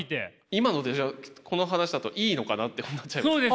今のでじゃあこの話だといいのかなってことになっちゃいますね。